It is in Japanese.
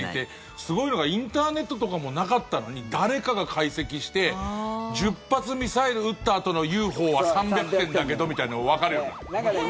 すごいのがインターネットとかもなかったのに誰かが解析して１０発ミサイル撃ったあとのＵＦＯは３００点だけど、みたいなのがわかるようになった。